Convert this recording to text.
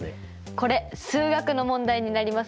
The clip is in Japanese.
これ数学の問題になりますよね！